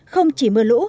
không chỉ mưa lũ